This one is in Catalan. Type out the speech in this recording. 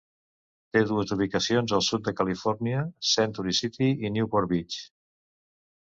Té dues ubicacions al sud de Califòrnia: Century City i Newport Beach.